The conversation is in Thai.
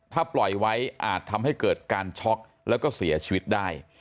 ถ้าปล่อยไว้อาจทำให้เกิดการช็อกแล้วก็เสียชีวิตได้